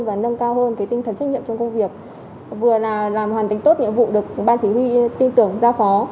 và nâng cao hơn cái tinh thần trách nhiệm trong công việc vừa là làm hoàn thành tốt nhiệm vụ được ban chỉ huy tin tưởng giao phó